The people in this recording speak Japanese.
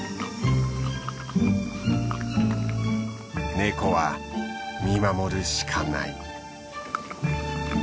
ネコは見守るしかない。